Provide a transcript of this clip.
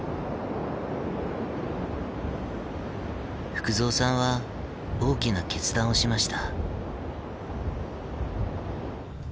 福蔵さんは大きな決断をしました。